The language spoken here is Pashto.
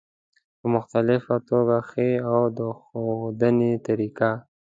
په مختلفه توګه ښي او د ښودنې طریقه